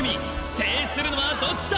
制するのはどっちだ！